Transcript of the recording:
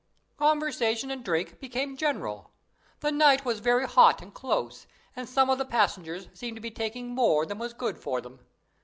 "Conversation and drink became general. The night was very hot and close, and some of the passengers seemed to be taking more than was good for them.